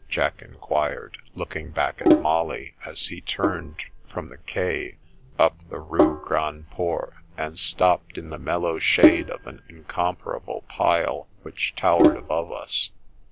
" Jack inquired, looking back at Molly as he turned from the quay up the Rue Grand Port, and stopped in the mellow shade of an incomparable pile which towered above us.